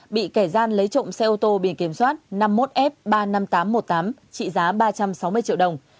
bị kẻ gian lấy trộm xe ô tô biển kiểm soát năm mươi một f ba mươi năm nghìn tám trăm một mươi tám trị giá ba trăm sáu mươi triệu đồng